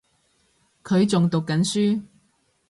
佢仲讀緊書